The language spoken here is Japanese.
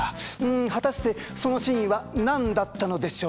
ん果たしてその真意は何だったのでしょうか？